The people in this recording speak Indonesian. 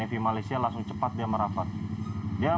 tiga ibu aku saya katakan biar begitu